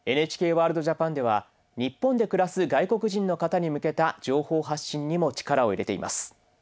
ＮＨＫＷＯＲＬＤＪＡＰＡＮでは日本で暮らす外国人の方に向けた情報発信にも力を入れています。